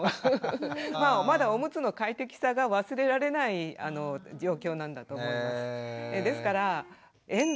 まあまだおむつの快適さが忘れられない状況なんだと思います。